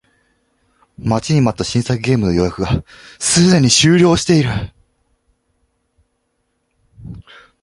待ちに待った新作ゲームの予約がすでに終了している